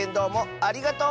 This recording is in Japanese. ありがとう！